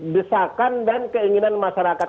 desakan dan keinginan masyarakat